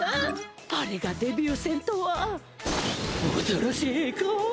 あれがデビュー戦とは恐ろしい子。